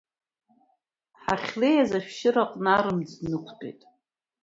Ҳахьлеиз ашәшьыраҟны арымӡ днықәтәеит.